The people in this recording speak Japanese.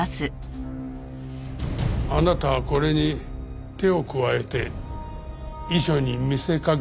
あなたはこれに手を加えて遺書に見せかけたんですね。